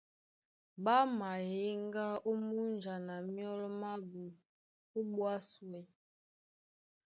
Ɓá mayéŋgá ó múnja na myɔ́lɔ mábū ó ɓwá súe.